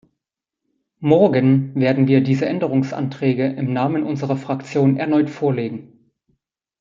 Morgen werden wir diese Änderungsanträge im Namen unserer Fraktion erneut vorlegen.